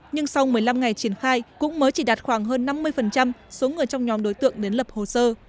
nhưng sau một mươi năm ngày triển khai cũng mới chỉ đạt khoảng hơn năm mươi số người trong nhóm đối tượng đến lập hồ sơ